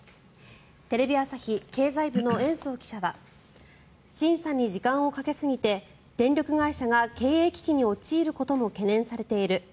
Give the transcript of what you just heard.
テレビ朝日経済部の延増記者は審査に時間をかけすぎて電力会社が経営危機に陥ることも懸念されている。